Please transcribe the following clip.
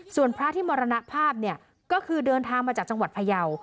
ส่วนพระที่มรณภาพเนี่ยก็คือเดินทางมาจากจังหวัดพยาว